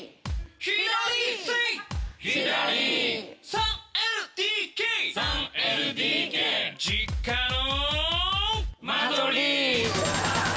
「３ＬＤＫ」「３ＬＤＫ」「実家の間取り！」